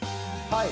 はい。